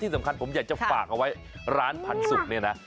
สำคัญผมอยากจะฝากเอาไว้ร้านพันธุ์เนี่ยนะ